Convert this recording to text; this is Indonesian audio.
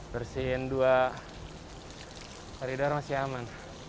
bersihin dua hari dar masih aman